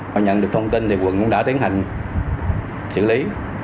và nhận được thông tin thì quận cũng đã tiến hành xử lý